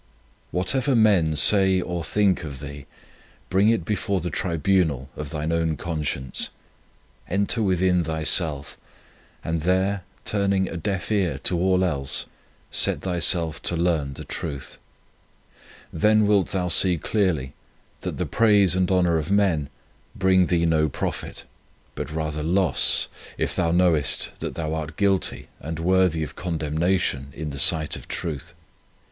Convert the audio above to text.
Whatever men say or think of thee, bring it before the tribunal of thine own conscience. Enter within thyself, and there, turning a deaf ear to all else, set thyself to learn the truth. Then wilt thou see clearly that the praise and honour of men bring thee no profit, but rather loss, if 88 Testimony of Conscience thou knowest that thou art guilty and worthy of condemnation in the sight of truth.